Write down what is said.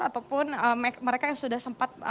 ataupun mereka yang sudah sempat